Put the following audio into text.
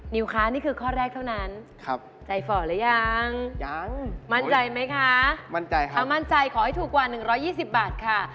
นิ้วคะนี่คือข้อแรกเท่านั้นครับใจฝ่าแล้วยังมั่นใจไหมคะถ้ามั่นใจขอให้ถูกกว่า๑๒๐บาทค่ะ